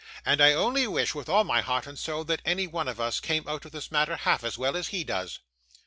And I only wish, with all my heart and soul, that any one of us came out of this matter half as well as he does.